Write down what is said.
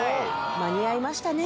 間に合いました。